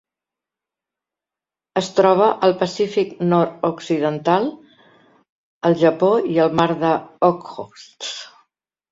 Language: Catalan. Es troba al Pacífic nord-occidental: el Japó i el mar d'Okhotsk.